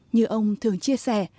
như ông thường chia sẻ